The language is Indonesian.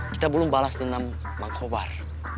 kita belum balas dendam bang kovar